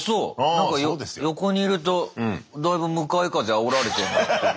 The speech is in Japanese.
なんか横にいるとだいぶ向かい風あおられてんな。